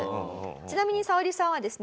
ちなみにサオリさんはですね